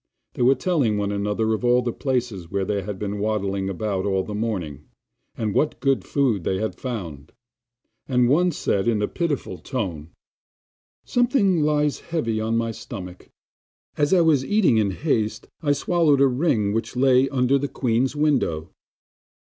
They were telling one another of all the places where they had been waddling about all the morning, and what good food they had found; and one said in a pitiful tone: 'Something lies heavy on my stomach; as I was eating in haste I swallowed a ring which lay under the queen's window.